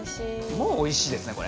もうおいしいですねこれね。